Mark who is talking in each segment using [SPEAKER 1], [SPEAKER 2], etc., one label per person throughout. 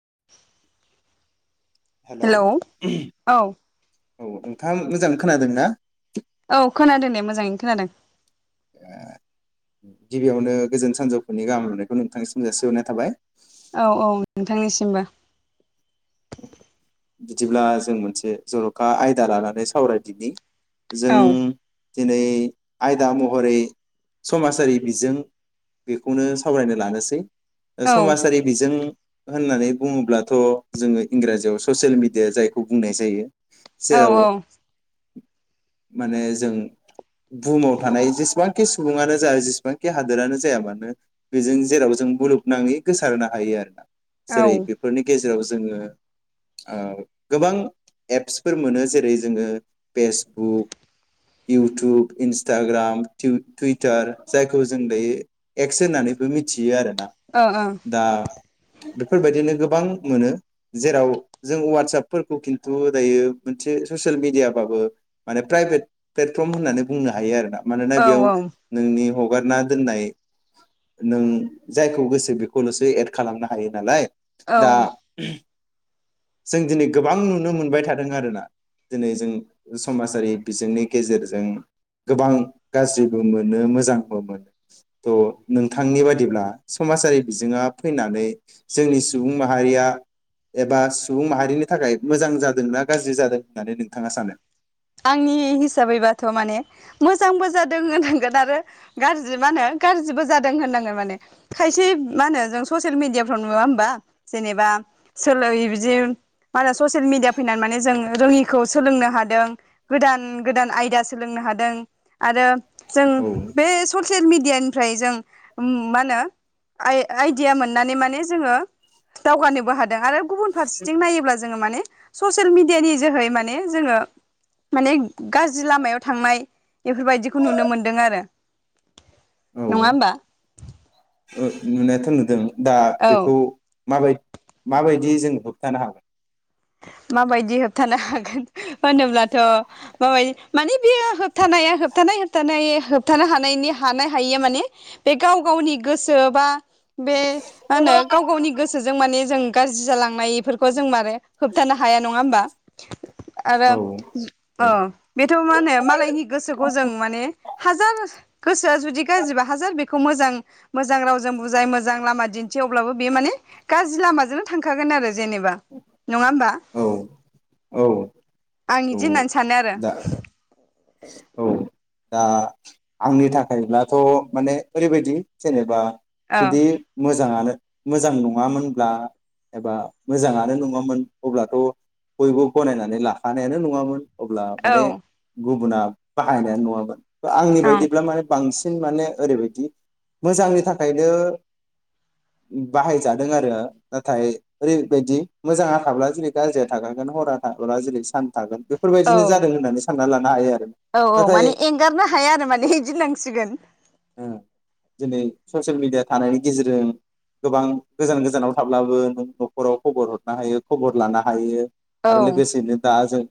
[SPEAKER 1] [inaudible]
[SPEAKER 2] Hello
[SPEAKER 1] औ
[SPEAKER 2] औ नोंथाङा मोजाङै खोनादों ना?
[SPEAKER 1] औ खोनादों दे मोजाङैनो खोनादों ।
[SPEAKER 2] ओ गिबियावनो गोजोन सानजौफुनि गाहाम हामनायखौ नोंथांनिसिम जासिहरनाय थाबाय
[SPEAKER 1] औ औ नोंथांनिसिमबो ।
[SPEAKER 2] बिदिब्ला जों मोनसे जरखा आयदा लानानै सावरायदिनि जों
[SPEAKER 1] औ
[SPEAKER 2] दिनै आयदा महरै समाजारि बिजों बेखौनो सावरायनो लानोसै ओ
[SPEAKER 1] औ
[SPEAKER 2] समाजारि बिजों होननानै बुङोब्लाथ' जोङो इंराजियाव ससियेल मिडिया जायखौ बुंनाय जायो
[SPEAKER 1] औ
[SPEAKER 2] जेराव
[SPEAKER 1] औ
[SPEAKER 2] माने जों बुहुमाव थानाय जेसेबां खि सुबुंआानो जा जेसेबांखि हादोरानो जाया मानो बेजों जेराव जों मुलुगनाङै गोसारनो हायो आरो ना
[SPEAKER 1] ओ
[SPEAKER 2] जेरै बेफोरनि गेजे राव जोङो ओ गोबां एप्सफोर मोनो जेरै जोङो फेसबुक इउटुब, इन्सटाग्राम, टिउ- टुइटार जायखौ जों दायो एक्स होननानैबो मिथियो आरो दा
[SPEAKER 1] ओ
[SPEAKER 2] दा बेफोरबायदिनो गोबां मोनो जेराव जों वाट्सपफोरखौ खिन्थु दायो मोनसे ससियेल मिडियाबाबो माने प्राइभेट प्लेटफर्म होननानै बुंनो हायो आरोना मानोना
[SPEAKER 1] औ
[SPEAKER 2] बेयाव
[SPEAKER 1] औ
[SPEAKER 2] नोंनि हक हगारना दोननाय नों जायखौ गोसो बेखौलसो एड खालामनो हायो नालाय दा
[SPEAKER 1] औ
[SPEAKER 2] जों दिनै गोबां नुनो मोनबाय थादों आरोना दिनै जों समाजारि बिजोंनि गेजेरजों गोबां गाज्रिबो मोनो मोजांबो मोनो थ नोंथांनि बादिब्ला समाजारि बिजोङा फैनानै जोंनि सुबुं माहारिया एबा सुबुं माहारिनि थाखाय मोजां जादों ना गाज्रि जादों होननानै नोंथाङा सानो?
[SPEAKER 1] आंनि हिसाबैबाथ माने मोजांबो जादों होननांगोन आरो गाज्रि मा होनो गाज्रिबो जादों होननांगोन माने खायसे मा होनो जों ससियेल मिडियाफ्राव नुवा होमबा जेनेबा सोल बिदि मा होनो ससियेल मिडिया फैनानै माने जों रोङिखौ सोलोंनो हादों गोदान गोदान आयदा सोलोंनो हादों आरो जों
[SPEAKER 2] औ
[SPEAKER 1] बे सर ससियेल मिडियानिफ्राय जों मा होनो आ आइदिया मोननानै माने जोङो दावगानोबो हादों। आरो गुबुन फारसेथिं नायोब्ला जोङो माने ससियेल मिडि इदियानि जोहै माने जोङो माने गाज्रि लामायाव थांनाय बेफोरबायदिखौ नुनो मोन्दों आरो
[SPEAKER 2] औ
[SPEAKER 1] नङा होमबा
[SPEAKER 2] नुनायाथ नुदों दा
[SPEAKER 1] औ
[SPEAKER 2] बेखौ माबाय माबायदि जों होबथानो हागोन?
[SPEAKER 1] माबायदि होबथानो हाग होनोब्लाथ माबाय माने बेयो होबथानाया होबथानाय होबथानाय होबथानो हानायनि हानाय हायिया माने बे गाव गावनि गोसो बा बे मा होनो गाव गावनि गोसो गोसजों माने जों गाज्रि जालांनाय फोरखौ जों मारे होबथानो हाया नङा होमबा आरो
[SPEAKER 2] औ दे
[SPEAKER 1] औ बेथ मा होनो मालायनि गोसोखौ जों माने हाजार गोसोआ जुदि गाजिबा हाजार बे खौ मोजां मोजां रावजों बुजाय मोजां लामा दिन्थि अब्लाबो बेयो माने गाज्रि लामाजोंनो थांखागोन आरो जेनेबा नङा‌ हमबा आ
[SPEAKER 2] औ औ
[SPEAKER 1] आं
[SPEAKER 2] औ
[SPEAKER 1] इदि होननानै सानो आ रो
[SPEAKER 2] दा औ दा आंनि थाखायब्लाथ माने ओरैबायदि जेनेबा
[SPEAKER 1] आरो
[SPEAKER 2] जुदि मोजाङानो मोजां नङामोनब्ला एबा मोजाङानो नङामोन अब्लाथ बयबो गनायनानै लाखानायानो नङामोन अब्ला माने
[SPEAKER 1] औ
[SPEAKER 2] गुबुना बाहायनाय आनो नं आमोन आंनि
[SPEAKER 1] औ
[SPEAKER 2] बायदिब्ला माने बांसि सिन माने ओरैबायदि मोजांनि थाखायनो बाहायजादों आरो नाथाय ओरैबायदि मोजाङा थाब्ला जेरै गाज्रिया थाखागोन हरा थाब्ला जेरै सान थागोन बेफोरबायदिनो
[SPEAKER 1] औ
[SPEAKER 2] जादों होननानै सानना ला [unintelligible]
[SPEAKER 1] औ औ माने एं गारनो हाया आरो माने इदिनांसिगोन।
[SPEAKER 2] ओ दिनै ससियेल मिडिया थानायनि गेजेरजों गोबां गोजान गोजानाव थाब्लाबो नों नखराव खबर हरनो हायो खबर लानो हायो
[SPEAKER 1] औ
[SPEAKER 2] आरो लोगोसेनो दाजों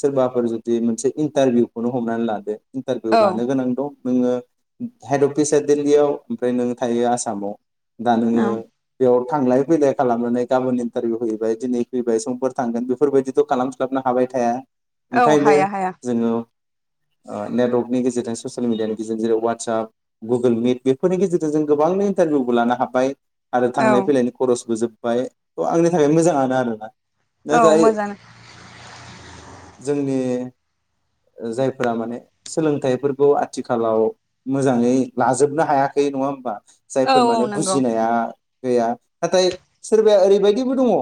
[SPEAKER 2] सोरबाफोर जुदि मोनसे इन्टारभिउखौनो हमनानै लादो इन्टारभिउ
[SPEAKER 1] औ
[SPEAKER 2] लानो गोनां दं नोङो हेड अफिसा दिल्लीयाव ओमफाय नोङो थायो आसामाव दा नोङो बेयाव थांलाय फैलाय खालामनानै गाबोन इन्टारभिउ हैैबाय दिनै फैबाय समफोर थांगोन बेफोरबायदिथ' खालामस्लाबनो हाबाय थाया
[SPEAKER 1] औ
[SPEAKER 2] ओंखायनो
[SPEAKER 1] हाया हाया
[SPEAKER 2] जोङो ओ नेटवर्कनि गेजेरजों ससियेल मिडियानि गेजेरजों जेरै वाटसाप गुगोल मिट बेफोरनि गेजेरजों जों गोबांनो इन्टारभिउबो लानो हाबाय आरो
[SPEAKER 1] औ
[SPEAKER 2] थांलाय फैलायनि खरसबो जोब बाय थ' आंनि थाखाय मोजाङानो आरोना।
[SPEAKER 1] औ
[SPEAKER 2] नाथाय
[SPEAKER 1] मोजाङानो।
[SPEAKER 2] जोंनि जाय फोरा माने सोलोंथाइफोरखौ आथिखालाव मोजाङै लाजोबनो हायाखै नङा होमबा?
[SPEAKER 1] औ
[SPEAKER 2] जायफोर
[SPEAKER 1] औ
[SPEAKER 2] माने
[SPEAKER 1] नंगौ
[SPEAKER 2] बुजिनाया गैया नाथाय सोरबाया ओरैबायदिबो दङ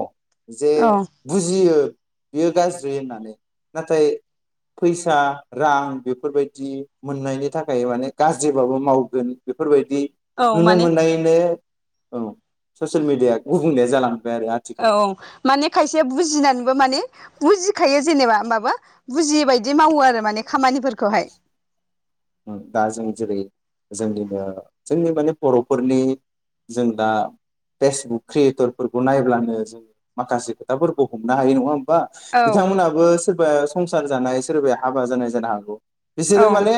[SPEAKER 2] जे
[SPEAKER 1] औ
[SPEAKER 2] बुजियो बियो गाज्रि होननानै नाथाय फैसा रां बेफोरबायदि मोननायनि थाखाय माने गाज्रिबाबो मावगोन बेफोरबाय दि
[SPEAKER 1] औ
[SPEAKER 2] नुनो
[SPEAKER 1] माने
[SPEAKER 2] मोननायनो औ ससियेल मिडिया गुबुंले जालां‌
[SPEAKER 1] औ माने खायसेया बुजिनानैबो माने बुजि खायो जेनेबा होमबाबो बुजियै बायदि मावो आरो माने खामानिफोरखौहाय।
[SPEAKER 2] उम दा जों जेरै जोंनिनो जोंनि माने बर'फोरनि जों दा फेसबुक क्रियेटरफोरखौ नायब्लानो जों माखासे खोथाफोरखौ हमनो हायो नङा होम बा
[SPEAKER 1] औ
[SPEAKER 2] बिथांमोनाबो सोरबा संसार जानाय सोरबाया हाबा जानाय जानो हागौ
[SPEAKER 1] औ
[SPEAKER 2] बिसोरो माने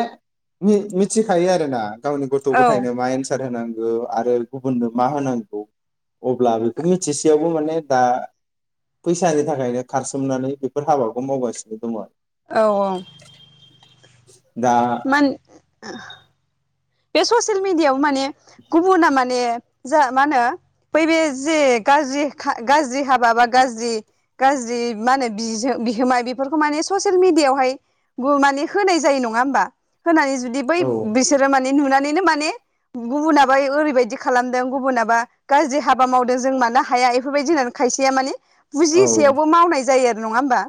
[SPEAKER 2] मि-मिथिखायो आरोना गावनि गथ'
[SPEAKER 1] औ
[SPEAKER 2] गथायनो मा‌ एनसार होनां गौ आरो गुबुननो मा होनांगौ अब्ला बेखौ मिथिसेयावबो माने दा फैसानि थाखायनो खारसोमनानै बेफोर हाबाखौ मावगासिनो दङ।
[SPEAKER 1] औ औ
[SPEAKER 2] दा
[SPEAKER 1] बे ससेयेल मिडियाव माने गुबुना माने जा मा नो बैबे जे गाज्रि खा गाज्रि हाबा बा गाज्रि गाज्रि मा होनो बिज बिहोमा बेफोरखौ माने ससियेल मिडियावहाय माने होनाय जायो नङा होमबा? होनानै जुदि बै
[SPEAKER 2] औ
[SPEAKER 1] बिसोरो माने नुना नैनो माने गुबुनाबा ओरैबायदि खालामदों गुबुनाबा गाज्रि हाबा मावदों जों मानो हाया बेफोरबायदि नानै खायसेया माने
[SPEAKER 2] औ
[SPEAKER 1] बुजिसेयावबो मावनाय जायो नङा होमबा?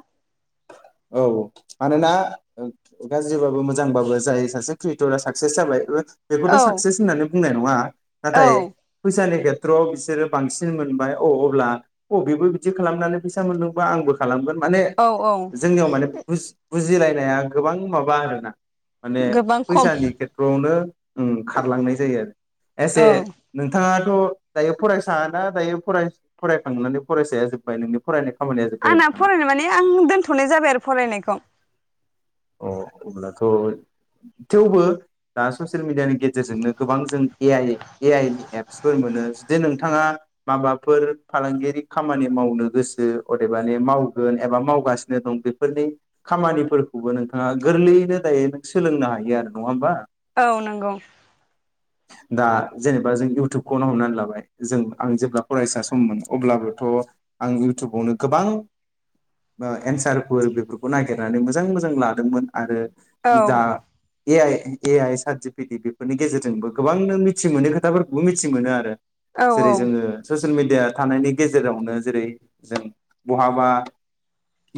[SPEAKER 2] उ गाज्रिबाबो मोजांबाबो जाय सासे क्रियेटरा साक्सेस जाबाय बेखौथ
[SPEAKER 1] औ
[SPEAKER 2] साक्सेस होननानै बुंनाय नङा
[SPEAKER 1] औ
[SPEAKER 2] नाथाय फैसानि खेत त्रआव बिसोरो बांसिन मोनबाय अ अब्ला अ बेबो बिदि खालामनानै फैसा मोनदोंबा आंबो खालामगोन माने
[SPEAKER 1] औ औ
[SPEAKER 2] जोंनियाव माने बुस बुजिलायनाया गोबां माबा आरोना माने
[SPEAKER 1] गोबां खम
[SPEAKER 2] फैसानि खेथ्रआवनो ओ खारलांनाय जायो एसे
[SPEAKER 1] औ
[SPEAKER 2] नोंथाङा [unintelligible] दायो फरायसााना दायो फराय फरायखांनानै फरायसाया जोब्बाय नोंनि फरायनायख
[SPEAKER 1] आंना फरायनो माने आं दोनथ थनाय जाबाय आरो फरायनायखौ।
[SPEAKER 2] अह अब्लाथ थेवबो दा ससियेल मिडियानि गेजेरजोंनो गोबां जों ए आइ ए आइ नि एप्सफोर मोनो जुदि नोंथाङा माबाफोर फालांगियारि खामानि मावनो गोसो अदेबानि मावगोन एबा मावगासिनो दं बेफोरनि खामानिफोर खौबो नोंथाङा गोरलैयैनो दायो नों सोलोंनो हायो आरो नङा होमबा?
[SPEAKER 1] औ नंगौ।
[SPEAKER 2] दा जेनेबा जों इउटुबखौनो हमनानै लाबाय जों आं जेब्ला फरायसा सममोन अब्लाबोथ आं इउटुबावनो गोबां एन्सारफोर बेफोरखौ नागिरनानै मोजां मोजां लादोंमोन। आरो
[SPEAKER 1] औ
[SPEAKER 2] [unintelligible] ए आइ ए आइ सार्टिफिकेट बेफोरनि गेजेरजोंबो‌ गोबां नों मिथि मोनै खोथाफोरखौबो मिथि मोनो आरो
[SPEAKER 1] औ औ
[SPEAKER 2] जेरै जोङो ससियेल मिड डिया थानायनि गेजेरावनो जेरै जों बहाबा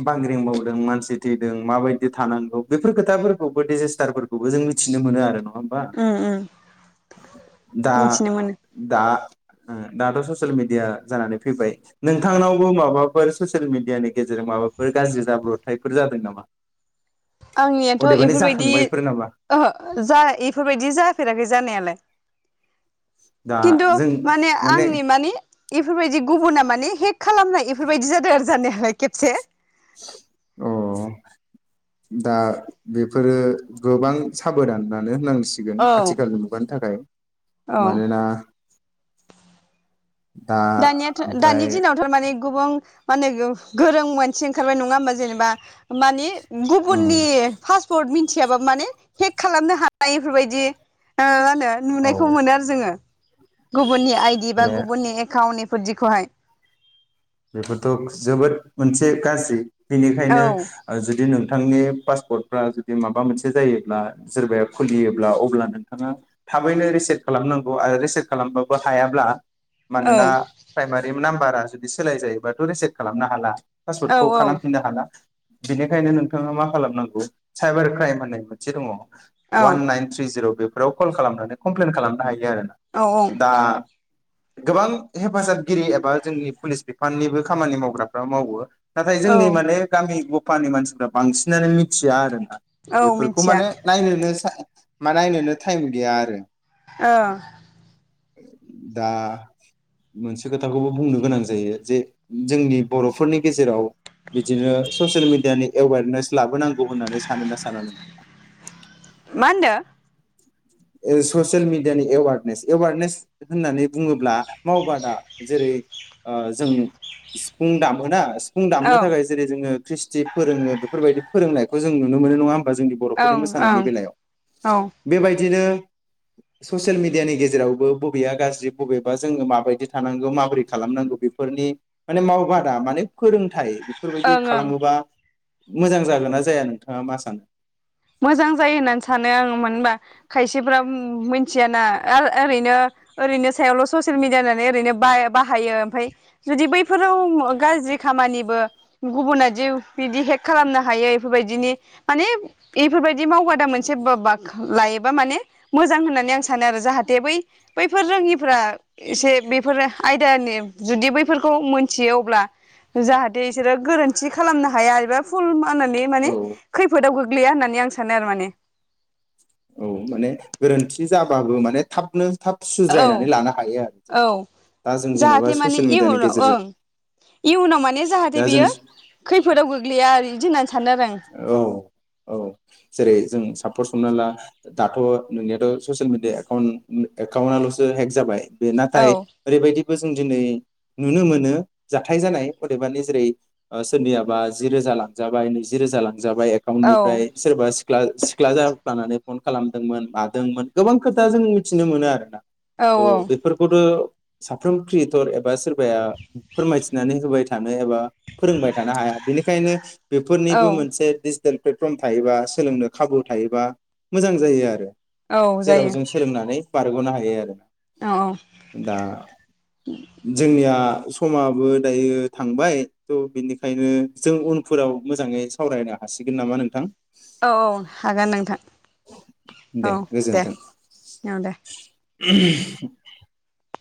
[SPEAKER 2] बांग्रिं मावावदों मानसि थैदों माबायदि थानांगौ बेफोर खोथाफोरखौबो डिजेस्टारफोरखौबो जों मिथिनो मोनो आरो न।
[SPEAKER 1] उम उम।
[SPEAKER 2] दा
[SPEAKER 1] मिथिनो मोनो
[SPEAKER 2] दा आ ओम दा दाथ ससियेल मिडिया जानानै फैबाय नोंथांनावबो माबाफोर ससियेल मिडियानि गेजेरजों माबाफोर गाज्रि जाब्रबथायफोर जादों नामा?
[SPEAKER 1] आंनियाथ
[SPEAKER 2] अदेबानि
[SPEAKER 1] एफोरबायदि
[SPEAKER 2] जाखांबायफोर नामा
[SPEAKER 1] ओहो जा एफोरबायदि जा फेराखै जानायालाय।
[SPEAKER 2] दा
[SPEAKER 1] किन्तु
[SPEAKER 2] जों
[SPEAKER 1] माने आंनि माने इफोरबायदि गुबुना माने हेख खालामनाय एफोरबायदि जादों आरो जानायालाय खेबसे।
[SPEAKER 2] अ दा बेफोरो गोबां साबोदानानो होनां। सिगोन
[SPEAKER 1] औ
[SPEAKER 2] आथिखालनि मुगानि थाखाय
[SPEAKER 1] औ
[SPEAKER 2] मानोना। दा
[SPEAKER 1] दानियाथ दानि
[SPEAKER 2] ओमफ्राय
[SPEAKER 1] दिनाव थारमाने। गुबां माने गो-गोरों मानसि ओंखारबाय नङा होमबा जेनेबा। मानि
[SPEAKER 2] औ
[SPEAKER 1] गुबुननि पासपर्ट मिथ थिया बाबो माने हेक खालामनो हानाय इफोरबायदि ओ। नो
[SPEAKER 2] औ
[SPEAKER 1] नुनायखौ मोनो आरो जोङो गुबुननि आइडि बा
[SPEAKER 2] माने
[SPEAKER 1] गुबुननि एक थावनिफोरदिखौहाय।
[SPEAKER 2] बेफोरथ जोबोद मोनसे गाजि। बेनिखायनो
[SPEAKER 1] औ
[SPEAKER 2] जुदि नोंथांनि। पासपर्टफ्रा जुदि माबा मोनसे जायोब्ला सोरबाया खुलियोब्ला अब्ला नोंथाङा थाबैनो रिसेट खालामनांगौ आरो रिसेट खालामबाबो हायाब्ला।
[SPEAKER 1] औ
[SPEAKER 2] मानोना प्राइमारि नाम्बारा। बिदि सोलाय जायोबाथ रिसेक्ट खालामनो हाला।
[SPEAKER 1] औ
[SPEAKER 2] पासवर्टखौ
[SPEAKER 1] औ
[SPEAKER 2] खालामफिननो हाला। बेनिखायनो नोंथाङा मा खालामनांगौ साइबार क्राइम होननाय मोनसे दङ।
[SPEAKER 1] औ
[SPEAKER 2] वान नाइन थ्रि जिर बे। बेफोराव कल खालामनानै कमप्लेन खालामनो हायो। आरोना
[SPEAKER 1] औ
[SPEAKER 2] दा। गोबां हेफाजाबगिरि एबा जोंनि। पुलिस बिफाननिबो खामानि मावग्राफ्रा मावो। नाथाय
[SPEAKER 1] औ
[SPEAKER 2] जोंनि माने गामि। गफानि मानसिफ्रा बांसिनानो मिथिया आरो।
[SPEAKER 1] औ औ
[SPEAKER 2] बेफोरखौ
[SPEAKER 1] मिथिया
[SPEAKER 2] माने नायनोनो सा। मा नायनोनो टाइम गैया आरो।
[SPEAKER 1] औ।
[SPEAKER 2] दा मोनसे खोथाखौबो बुंनो गोनां। जायो जे जोंनि बर'फोरनि गेजेराव। बिदिनो ससियेल मिडियानि एवेरनेस लाबोनांगौ होननानै सानोना साना
[SPEAKER 1] मा होनदों
[SPEAKER 2] नोंथाङा। ससियेल मिडियानि एवारनेस एवारनेस होननानै बुङोब्ला मावबादा जेरै ओ जों सिफुं दामोना फुं
[SPEAKER 1] औ
[SPEAKER 2] दामनो
[SPEAKER 1] ओं
[SPEAKER 2] थाखाय जेरै जोङो ख्रिस्टि फोरोङो बेफोरबायदि फोरोंनायखौ जों नुनो मोनो नङा हो बा जोंनि बर'फोरनि
[SPEAKER 1] ओं
[SPEAKER 2] मोसानायनि बेलायाव
[SPEAKER 1] औ
[SPEAKER 2] बेबाय बेबाय दिनो ससियेल मिडियानि गेजेरावबो बबेया गाज्रि बबेबा जोङो माबादि थानांगौ माब्रै खालामनांगौ बेफोरनि माने मावबादा माने फोरोंथाइ बेफोरबायदि
[SPEAKER 1] ओं ओं
[SPEAKER 2] खालामोबा मोजां जागोन ना जाया नोंथाङा मा सानो?
[SPEAKER 1] मोजां जायो होननानै सानो आङो मानो होनबा खायसेफ्रा मोनथियाना आ-ओरैनो ओरैनो सायावल ससियेल मिडिया होननानै ओरैनो बा-बाहायो ओमफाय जुदि बैफोराव गाज्रि खामानिबो गुबुनादि बिदि हेक खालामनो हायो इफोरबायदिनि माने इफोरबाय दि मावबादा मोनसे [unintelligible] बा माने मोजां होननानै आं सानो आरो जाहाथे बै बैफोर रोङिफोरा एसे बेफोर आयदानि जुदि बैफोरखौ मोनथियो अब्ला जाहाथे बिसोरो गोरोन्थि खालामनो हाया एबा फुल नानै माने
[SPEAKER 2] औ
[SPEAKER 1] खैफोदाव गो गोग्लैया होननानै आं सानो आरो माने।
[SPEAKER 2] औ माने गोरोन्थि जाबाबो माने थाबनो थाब
[SPEAKER 1] औ
[SPEAKER 2] सुज्रायनानै लानो हायो आरो जों
[SPEAKER 1] औ
[SPEAKER 2] दा जों जेनेबा
[SPEAKER 1] जाहाथे माने
[SPEAKER 2] ससियेल मिडियानि
[SPEAKER 1] इयुनाव
[SPEAKER 2] गेजेरजों
[SPEAKER 1] ओं इयुनाव माने जाहाथे
[SPEAKER 2] दा जों
[SPEAKER 1] बियो खैफोदाव गोग्लैया आरो इदि
[SPEAKER 2] औ औ जेरै जों सापस हमनाला दाथ' नोंनियाथ' social media account account also hack जाबाय बे
[SPEAKER 1] आं औ
[SPEAKER 2] नाथाय ओरैबायदिबो जों दिनै नुनो मोनो जाथाय जानाय अदेबानि जेरै ओ सोरनियाबा जिरोजा लांजाबाय नैजि जिरोजा जाबाय
[SPEAKER 1] औ
[SPEAKER 2] एकाउन्टनिफ्राय सोरबा ख्ला-सिख्ला जाफ्लानानै फन खालामदोंमोन मादोंमोन गोबां खोथा जों मिथिना मोनो आरो ना। औ बेफोरखौथ' साफ्रोम क्रियेटर एबा सोरबाया फोरमायथिनानै होबाय थानो एबा फोरोंबाय थानो हाया। बेनिखायनो
[SPEAKER 1] औ
[SPEAKER 2] फोरनिबो मोनसे प्लेटफर्म थायोबा सोलोंनो खाबु थायोबा मोजां जायो आरो।
[SPEAKER 1] औ
[SPEAKER 2] जेराव
[SPEAKER 1] जायो
[SPEAKER 2] जों सोलोंनानै बारगनो हायो आरो
[SPEAKER 1] औ औ
[SPEAKER 2] दा जोंनिया समाबो दायो थांबाय थ' बिनिखायनो जों उनफोराव मोजाङै सावरायनो हासिगोन नामा नोंथां?
[SPEAKER 1] औ औ हागोन नोंथां औ दे औ दे
[SPEAKER 2] [unintelligible]